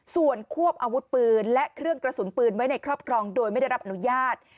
ส่วนควบอาวุธปืนและเครื่องกระสุนปืนไว้ในครอบครองโดยไม่ได้รับอนุญาต